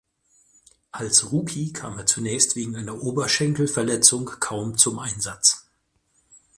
Als Rookie kam er zunächst wegen einer Oberschenkelverletzung kaum zum Einsatz.